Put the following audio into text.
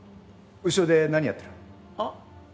後ろで何やってる？あっ？